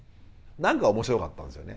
何か面白かったんですよね。